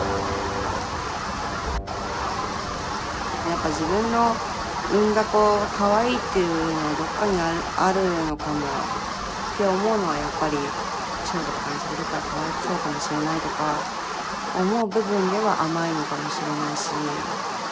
やっぱ自分の産んだ子がかわいいっていうのはどっかにあるのかもって思うのはやっぱりショートとかに連れてったらかわいそうかもしれないとか思う部分では甘いのかもしれないし。